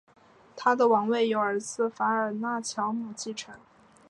他的王位由儿子法尔纳乔姆继承。